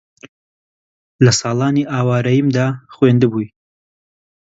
لە ساڵانی ئاوارەییمدا خوێندبووی